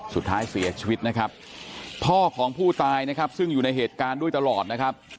สุดท้ายเสียชีวิตนะครับพ่อของผู้ตายนะครับซึ่งอยู่ในเหตุการณ์ด้วยตลอดนะครับ